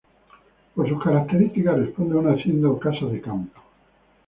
Por sus características responde a una hacienda o casa de campo.